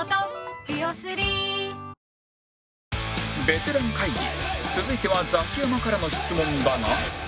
ベテラン会議続いてはザキヤマからの質問だが